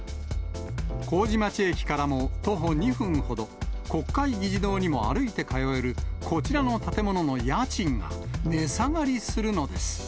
麹町駅からも徒歩２分ほど、国会議事堂にも歩いて通えるこちらの建物の家賃が値下がりするのです。